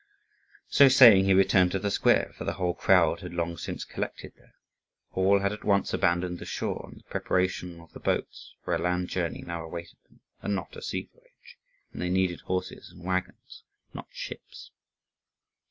So saying, he returned to the square, for the whole crowd had long since collected there. All had at once abandoned the shore and the preparation of the boats; for a land journey now awaited them, and not a sea voyage, and they needed horses and waggons, not ships.